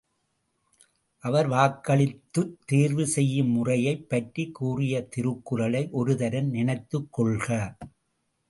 அவர் வாக்களித்துத் தேர்வு செய்யும் முறையைப் பற்றிக் கூறிய திருக்குறளை ஒரு தரம் நினைத்துக் கொள்க!